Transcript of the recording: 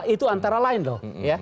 itu antara lain loh